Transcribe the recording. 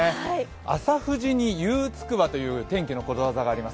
朝富士に夕筑波という天気のことわざがあります